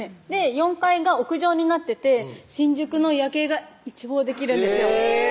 ４階が屋上になってて新宿の夜景が一望できるんですよ